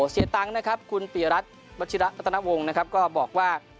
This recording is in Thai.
เสียตังค์คุณปิรัติวัชิรัตนาวงศ์ก็บอกว่า